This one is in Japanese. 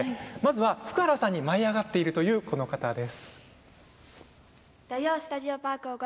福原さんに舞い上がっているというこの方です。